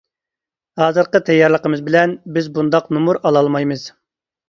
ھازىرقى تەييارلىقىمىز بىلەن بىز بۇنداق نومۇر ئالالمايمىز.